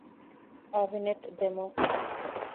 އަވިނެޓް ދެމުން